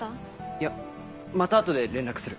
いやまた後で連絡する。